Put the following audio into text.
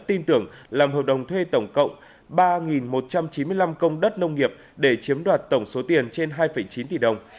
tin tưởng làm hợp đồng thuê tổng cộng ba một trăm chín mươi năm công đất nông nghiệp để chiếm đoạt tổng số tiền trên hai chín tỷ đồng